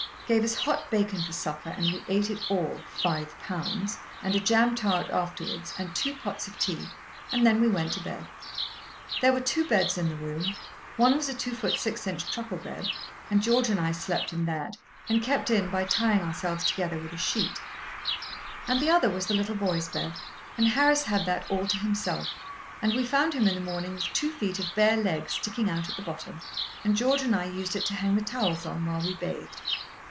—gave us hot bacon for supper, and we ate it all—five pounds—and a jam tart afterwards, and two pots of tea, and then we went to bed. There were two beds in the room; one was a 2ft. 6in. truckle bed, and George and I slept in that, and kept in by tying ourselves together with a sheet; and the other was the little boy's bed, and Harris had that all to himself, and we found him, in the morning, with two feet of bare leg sticking out at the bottom, and George and I used it to hang the towels on while we bathed.